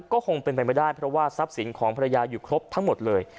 ก็คงเป็นไปไม่ได้เพราะว่าทรัพย์สินของภรรยาอยู่ครบทั้งหมดเลย